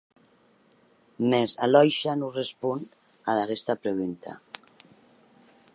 Mès Aliosha non responc ad aguesta pregunta.